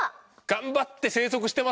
頑張ってる。